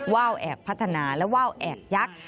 ว่าวแอบพัฒนาและว่าวแอบยักษ์